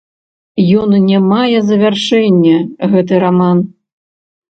Ён не мае завяршэння, гэты раман.